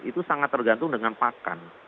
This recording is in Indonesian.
itu sangat tergantung dengan pakan